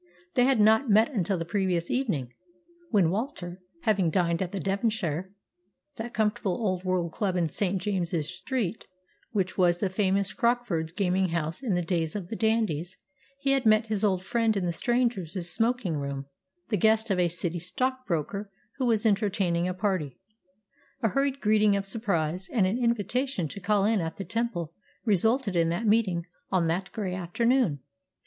They had not met until the previous evening, when Walter, having dined at the Devonshire that comfortable old world club in St. James's Street which was the famous Crockford's gaming house in the days of the dandies he had met his old friend in the strangers' smoking room, the guest of a City stockbroker who was entertaining a party. A hurried greeting of surprise, and an invitation to call in at the Temple resulted in that meeting on that grey afternoon.